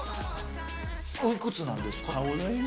おいくつなんですか？